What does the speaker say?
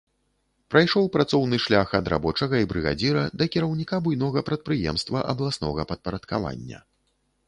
Прайшоў працоўны шлях ад рабочага і брыгадзіра да кіраўніка буйнога прадпрыемства абласнога падпарадкавання.